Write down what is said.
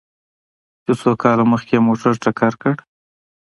چې څو کاله مخکې يې موټر ټکر کړ؟